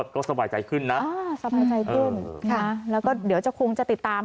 ก็สบายใจขึ้นนะสบายใจขึ้นนะแล้วก็เดี๋ยวจะคงจะติดตาม